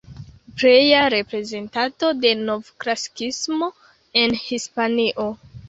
Pleja reprezentanto de novklasikismo en Hispanio.